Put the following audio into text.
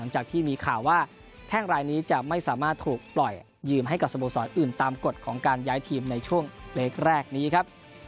หลังจากที่มีข่าวว่าแข้งรายนี้จะไม่สามารถถูกปล่อยยืมให้กับสโมสรอื่นตามกฎของการย้ายทีมในช่วงเล็กแรกนี้ครับ